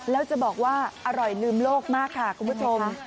แล้วจะบอกว่าอร่อยลืมโลกมากค่ะคุณผู้ชม